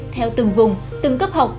theo từng vùng từng cấp học